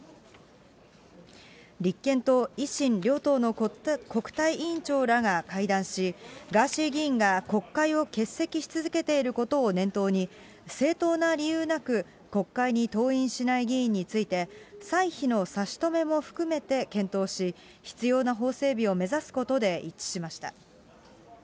立憲と維新両党の国対委員長らが会談し、ガーシー議員が、国会を欠席し続けていることを念頭に、正当な理由なく国会に登院しない議員について、歳費の差し止めも含めて検討し、必要な法整備を目指すことで一致しました。